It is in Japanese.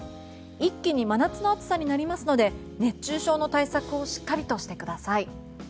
一気に真夏の暑さになりますので熱中症の対策をしっかりとしてください。